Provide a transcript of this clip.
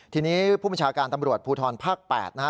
ทีนี้ผู้บัญชาการตำรวจภูทรภาค๘นะฮะ